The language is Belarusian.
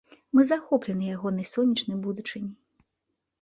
Мы захоплены ягонай сонечнай будучыняй.